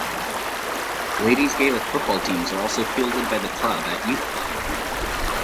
Ladies Gaelic football teams are also fielded by the club at youth level.